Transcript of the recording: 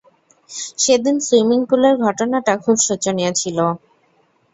সেদিন সুইমিং পুলের ঘটনাটা খুব শোচনীয় ছিল।